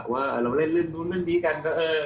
ว่าเราเล่นรื่นดีกันก็เออ